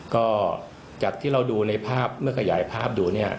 ก็จากที่เราดูในภาพเมื่อขยายภาพดูเนี่ย